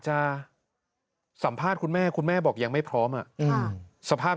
จะสัมภาษณ์คุณแม่คุณแม่บอกยังไม่พร้อมสภาพ